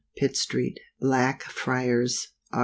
Pitt street, Blackfriars, Aug.